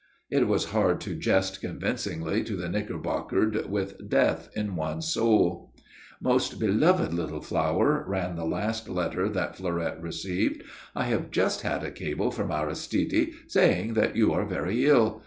It was hard to jest convincingly to the knickerbockered with death in one's soul. "Most belovèd little Flower," ran the last letter that Fleurette received, "I have just had a cable from Aristide saying that you are very ill.